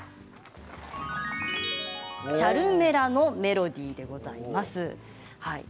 チャルメラのメロディーでございます。